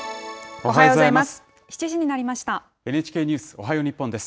おはようございます。